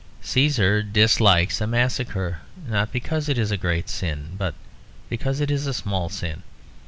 Cæsar dislikes a massacre, not because it is a great sin, but because it is a small sin.